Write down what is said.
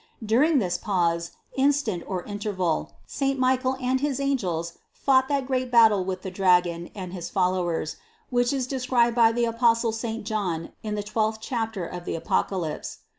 During this pause, in stant or interval, Saint Michael and his angels fought 86 CITY OF GOD that great battle with the dragon and his followers, which is described by the apostle Saint John in the twelfth chapter of the Apocalypse.